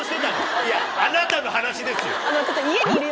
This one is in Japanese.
いや、あなたの話ですよ。